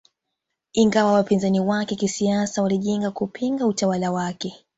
Ingawa wapinzani wake kisiasa walijenga kupinga utawala wake